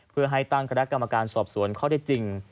เพื่อให้ตั้งคณะกรรมการสอบสวนข้อได้จริง